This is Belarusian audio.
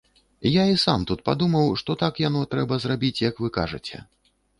Я і сам тут падумаў, што так яно трэба зрабіць, як вы кажаце.